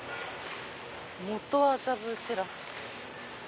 「元麻布テラス」。